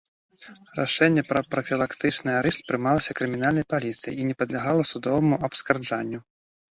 Рашэнне пра прафілактычны арышт прымалася крымінальнай паліцыяй і не падлягала судоваму абскарджанню.